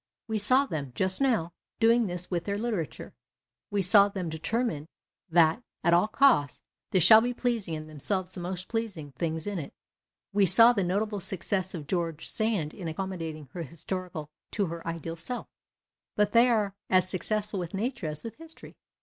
We saw tlicm, just now, doing this with their literature ; we saw them determined that, at all costs, this shall be pleasing and them selves the most pleasing things in it ; we saw the notable success of George Sand in accommodating her historical to her ideal self. But they are as successful with nature as with history.